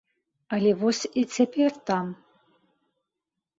Але воз і цяпер там.